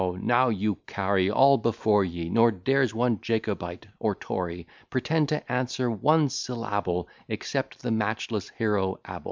now you carry all before you! Nor dares one Jacobite or Tory Pretend to answer one syl lable, Except the matchless hero Abel.